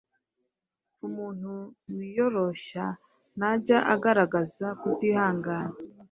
Umuntu wiyoroshya ntajya agaragaza kutihangana.